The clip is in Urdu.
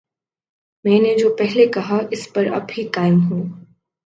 میں نے جو پہلے کہا ،اس پر اب بھی قائم ہوں